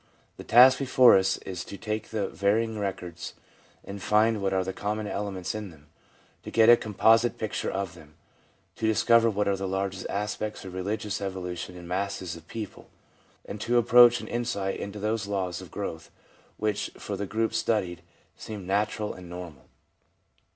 The task before us is to take the varying records and find what are the common elements in them ; to get a composite picture of them ; to discover what are the larger aspects of religious evolution in masses of people, and to approach an insight into those laws of growth which, for the groups studied, seem natural and normal.